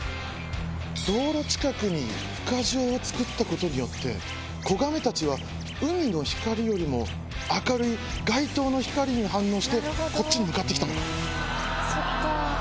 道路近くにふ化場を作ったことによって、子ガメたちは海の光よりも明るい、街灯の光に反応して、こっちに向かってきたのか。